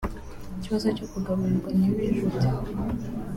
Ikibazo cyo kugaburirwa ntibijute